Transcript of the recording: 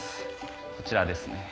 こちらですね。